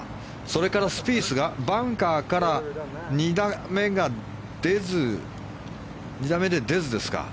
それからスピースがバンカーから２打目で出ずですか。